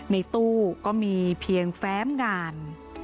ในตู้ก็มีเพียงแฟ้มงาน